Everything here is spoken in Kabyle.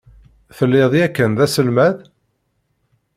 Telliḍ yakan d aselmad?